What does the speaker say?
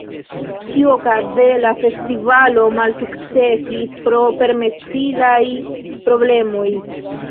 Ĉiuokaze la festivalo malsukcesis pro permesilaj problemoj.